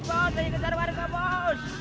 aduh bos saya kejar warga nih bos